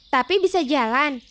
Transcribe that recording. tapi bisa jalan